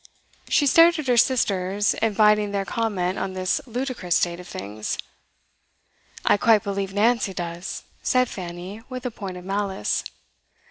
She stared at her sisters, inviting their comment on this ludicrous state of things. 'I quite believe Nancy does,' said Fanny, with a point of malice.